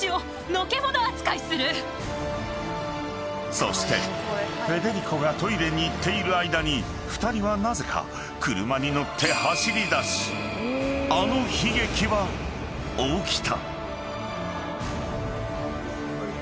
［そしてフェデリコがトイレに行っている間に２人はなぜか車に乗って走り出しあの悲劇は起きた］